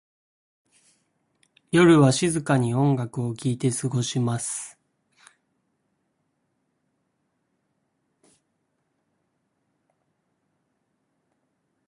夜は静かに音楽を聴いて過ごします。